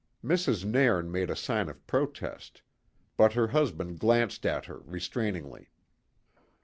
Mrs. Nairn made a sign of protest, but her husband glanced at her restrainingly.